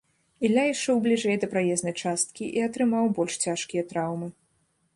Ілля ішоў бліжэй да праезнай часткі і атрымаў больш цяжкія траўмы.